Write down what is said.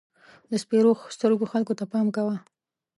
د سپېرو سترګو خلکو ته پام کوه.